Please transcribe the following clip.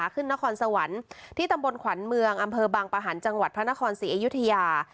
ขึ้นนครสวรรค์ที่ตำบลขวัญเมืองอำเภอบางประหันต์จังหวัดพระนครศรีอยุธยา